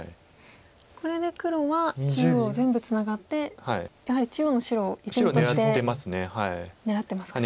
これで黒は中央全部ツナがってやはり中央の白を依然として狙ってますか。